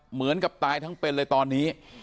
เหมือนกับตายทั้งเป็นเลยตอนนี้